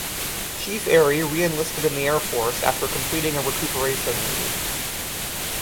Chief Airey reenlisted in the Air Force after completing a recuperation leave.